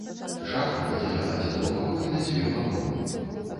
Шафа падзяляла дзедаў пакой на дзве паловы.